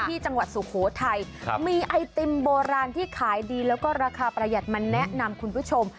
จังหวัดสุโขทัยมีไอติมโบราณที่ขายดีแล้วก็ราคาประหยัดมาแนะนำคุณผู้ชม